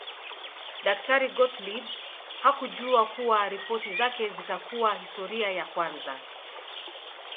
Daktari Gottlieb hakujua kuwa ripoti zake zitakuwa historia ya kwanza